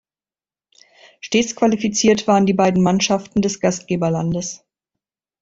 Stets qualifiziert waren die beiden Mannschaften des Gastgeberlandes.